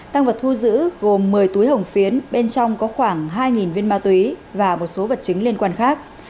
tăng vật thu giữ gồm một mươi túi hồng phiến bên trong có khoảng hai viên ma túy và một số vật chứng liên quan khác